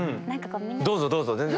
どうぞどうぞ全然。